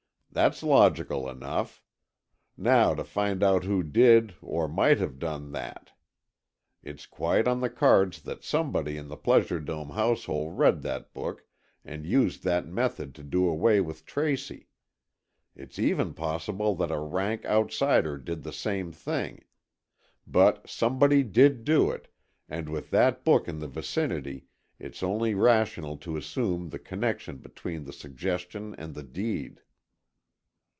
"That's logical enough. Now to find out who did or might have done that. It's quite on the cards that somebody in the Pleasure Dome household read that book and used that method to do away with Tracy. It's even possible that a rank outsider did the same thing. But somebody did do it, and with that book in the vicinity it's only rational to assume the connection between the suggestion and the deed."